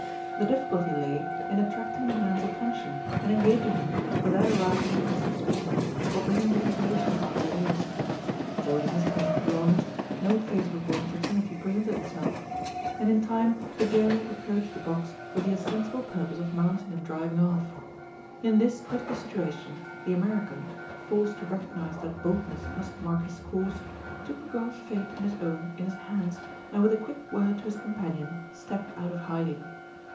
The difficulty lay in attracting the man's attention and engaging him without arousing his suspicions or bringing the population about their ears. Though he hesitated long, no favorable opportunity presented itself; and in time the Jehu approached the box with the ostensible purpose of mounting and driving off. In this critical situation the American, forced to recognize that boldness must mark his course, took the girl's fate and his own in his hands, and with a quick word to his companion, stepped out of hiding.